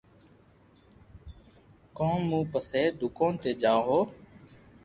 ڪوم مون پسي دوڪون تي جاوُ ھون